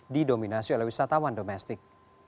didominasi oleh wisatawan domestik